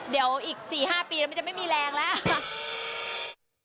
เดี๋ยวอีก๔๕ปีแล้วมันจะไม่มีแรงแล้ว